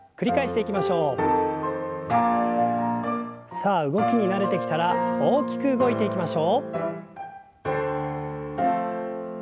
さあ動きに慣れてきたら大きく動いていきましょう。